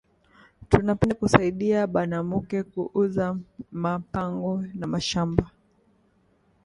Tuna penda ku saidiya banamuke ku uza ma pango na mashamba